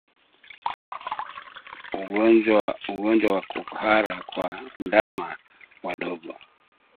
Ugonjwa wa kuhara kwa ndama wadogo